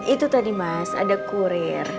itu tadi mas ada kurir